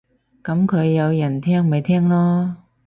噉佢有人聽咪聽囉